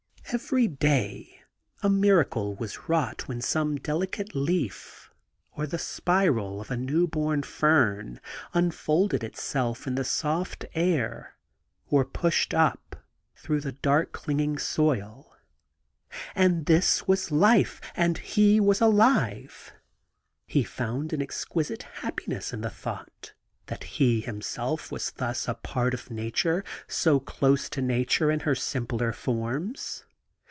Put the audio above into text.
Every day a miracle was wrought when some delicate leaf, or the spiral of a new born fern, unfolded itself in the soft ah , or pushed up through the dark clinging soil. And this was life! And he was alive! He found an exquisite happiness in the thought that he himself was thus a part of nature, so close to nature in her simpler forms.